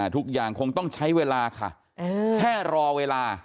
ทุกอย่างคงต้องใช้เวลาค่ะแค่รอเวลา